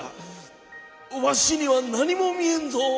わしにはなにもみえんぞ。